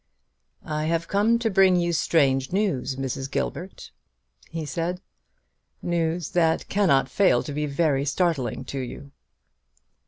"I have come to bring you strange news, Mrs. Gilbert," he said "news that cannot fail to be very startling to you."